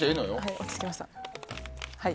落ち着きました、はい。